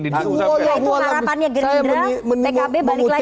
ya itu harapannya gerindra pkb balik lagi